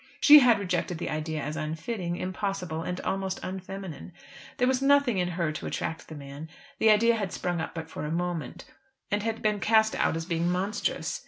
She had rejected the idea as unfitting, impossible, and almost unfeminine. There was nothing in her to attract the man. The idea had sprung up but for a moment, and had been cast out as being monstrous.